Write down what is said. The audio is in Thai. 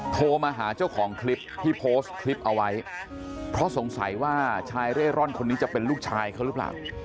โทรมาหาเจ้าของคลิปที่โพสต์คลิปเอาไว้เพราะสงสัยว่าชายเร่ร่อนคนนี้จะเป็นลูกชายเขาหรือเปล่า